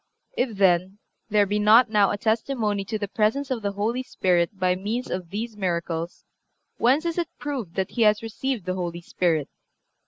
If, then, there be not now a testimony to the presence of the Holy Spirit by means of these miracles, whence is it proved that he has received the Holy Spirit?